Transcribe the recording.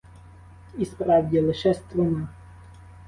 І справді лише струна.